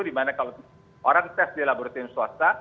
di mana kalau orang tes di laboratorium swasta